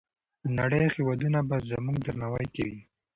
د نړۍ هېوادونه به زموږ درناوی کوي.